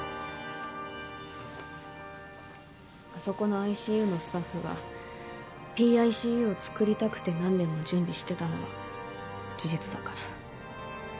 あそこのＩＣＵのスタッフがＰＩＣＵを作りたくて何年も準備してたのは事実だから。